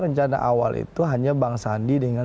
rencana awal itu hanya bang sandi dengan